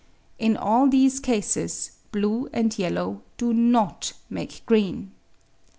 In all these cases blue and yellow do not make green.